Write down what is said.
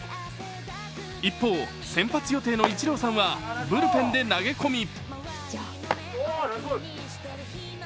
一方、先発予定のイチローさんはブルペンで投げ込み。